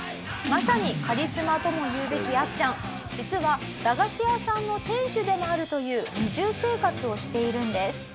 まさにカリスマともいうべきあっちゃん実は駄菓子屋さんの店主でもあるという２重生活をしているんです。